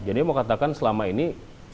jadi mau katakan selama ini